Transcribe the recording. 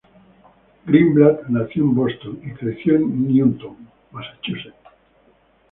Greenblatt nació en Boston y creció en Newton, Massachusetts.